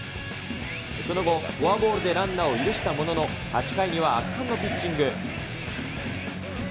その後、フォアボールでランナーを許したものの、８回には圧巻のピッチング。